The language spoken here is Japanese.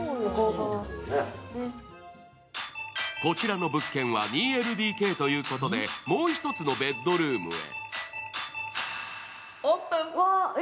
こちらの物件は２ＬＤＫということでもう一つのベッドルームへ。